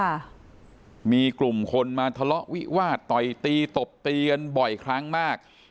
ค่ะมีกลุ่มคนมาทะเลาะวิวาสต่อยตีตบตีกันบ่อยครั้งมาก